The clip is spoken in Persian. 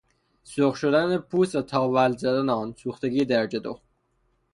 سرخ شدن پوست و تاول زدن آن، سوختگی درجه دو